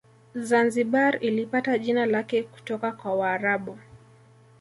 Zanzibar ilipata jina lake kutoka kwa waarabu